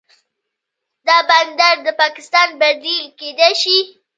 دا بندر د پاکستان بدیل کیدی شي.